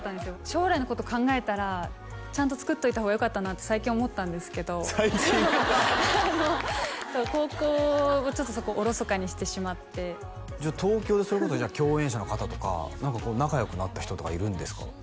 将来のこと考えたらちゃんとつくっといた方がよかったなって最近思ったんですけど最近そう高校ちょっとそこおろそかにしてしまってじゃあ東京でそれこそ共演者の方とか何か仲よくなった人とかいるんですか？